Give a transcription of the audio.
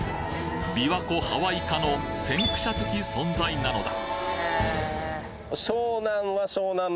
琵琶湖ハワイ化の先駆者的存在なのだ